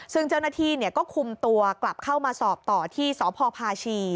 ซึ่งเจ้าหน้าที่ก็คุมตัวกลับเข้ามาสอบต่อที่สพพาชี